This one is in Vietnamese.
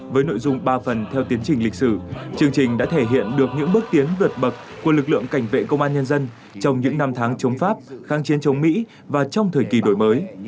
với nội dung ba phần theo tiến trình lịch sử chương trình đã thể hiện được những bước tiến vượt bậc của lực lượng cảnh vệ công an nhân dân trong những năm tháng chống pháp kháng chiến chống mỹ và trong thời kỳ đổi mới